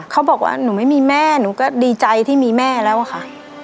เขาบอกว่าหนูไม่มีแม่หนูก็ดีใจที่มีแม่แล้วอะค่ะ